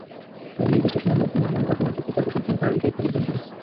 তাই নির্দিষ্ট সময়ের মধ্যে মামলা-মোকদ্দমার যুক্তিতর্ক সম্পন্ন করার বিষয়ে তাগিদ দেন তিনি।